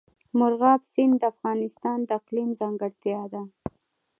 مورغاب سیند د افغانستان د اقلیم ځانګړتیا ده.